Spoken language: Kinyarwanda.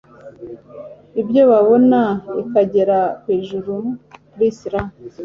ibyo babona ikagera ku ijuru +r